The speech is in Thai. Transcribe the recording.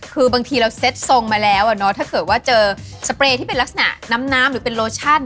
คือบางทีเราเซ็ตทรงมาแล้วถ้าเกิดว่าเจอสเปรย์ที่เป็นลักษณะน้ำหรือเป็นโลชั่น